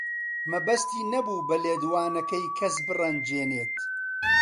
مەبەستی نەبوو بە لێدوانەکەی کەس بڕەنجێنێت.